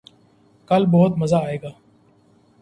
کل بہت مزہ آئے گا